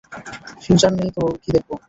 Future নেই তো কী দেখব!